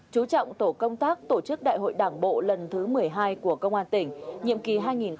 chú trọng tổ công tác tổ chức đại hội đảng bộ lần thứ một mươi hai của công an tỉnh nhiệm kỳ hai nghìn hai mươi hai nghìn hai mươi năm